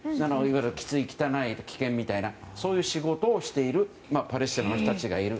きつい、汚い、危険みたいなそういう仕事をしているパレスチナの人たちがいる。